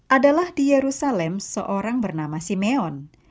adalah di yerusalem seorang bernama simeon